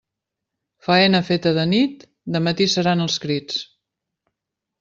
Faena feta de nit, de matí seran els crits.